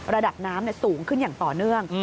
ระดับน้ำสูงขึ้นอย่างต่อเนื่อง